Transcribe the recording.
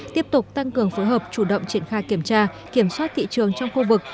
tiếp tục tăng cường phối hợp chủ động triển khai kiểm tra kiểm soát thị trường trong khu vực